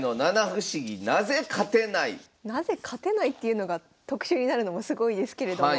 「なぜ勝てない？」っていうのが特集になるのもすごいですけれども。